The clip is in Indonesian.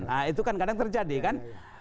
nah itu kan kadang terjadi kan